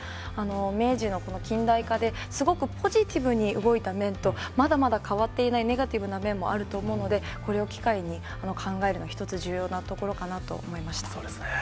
明治の近代化で、すごくポジティブに動いた面と、まだまだ変わっていない、ネガティブな面もあると思うので、これを機会に、考えるのは一つ重そうですね。